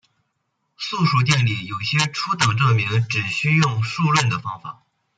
素数定理有些初等证明只需用数论的方法。